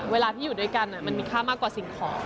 เวลาที่อยู่ด้วยกันมันมีค่ามากกว่าสิ่งของ